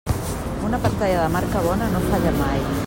Una pantalla de marca bona no falla mai.